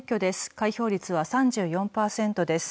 開票率は３４％です。